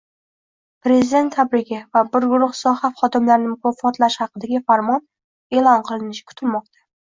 Prezident tabrigi va bir guruh soha xodimlarini mukofotlash haqidagi farmon e'lon qilinishi kutilmoqda